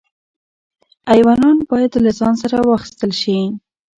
ایوانان باید له ځان سره واخیستل شي.